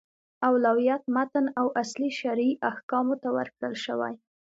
اولویت متن او اصلي شرعي احکامو ته ورکړل شوی.